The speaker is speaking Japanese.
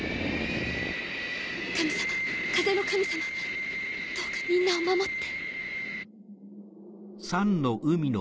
神様風の神様どうかみんなを守って。